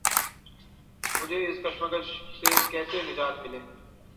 مجھے اس کشمکش سے کیسے نجات ملے؟